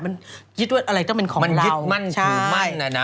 มันคิดว่าอะไรต้องเป็นของมันยึดมั่นถือมั่นนะนะ